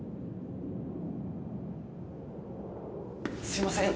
すいません